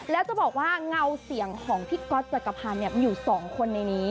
แล้วจะบอกว่าเงาเสียงของพี่ก็ส์จากถามอยู่๒คนในนี้